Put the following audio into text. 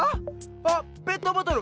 あっペットボトル！